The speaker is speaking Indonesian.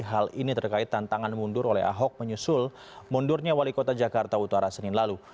hal ini terkait tantangan mundur oleh ahok menyusul mundurnya wali kota jakarta utara senin lalu